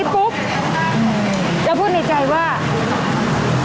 ขอบคุณมากด้วยค่ะพี่ทุกท่านเองนะคะขอบคุณมากด้วยค่ะพี่ทุกท่านเองนะคะ